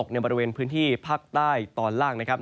ก็จะมีการแผ่ลงมาแตะบ้างนะครับ